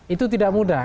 itu tidak mudah